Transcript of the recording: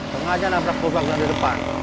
tengah aja nabrak nabrak dari depan